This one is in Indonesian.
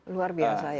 luar biasa ya